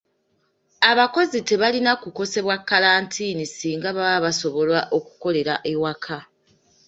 Abakozi tebalina kukosebwa kalantiini singa baba basobola okukolera ewaka.